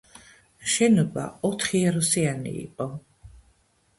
შენობა ოთხიარუსიანი იყო.